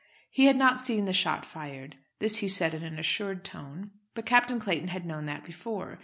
He had not seen the shot fired. This he said in an assured tone, but Captain Clayton had known that before.